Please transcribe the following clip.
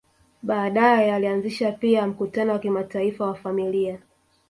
Baadae alianzisha pia mkutano wa kimataifa wa familia